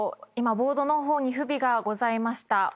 今ボードの方に不備がございました。